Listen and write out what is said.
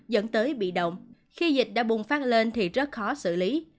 dẫn tới bị động khi dịch đã bùng phát lên thì rất khó xử lý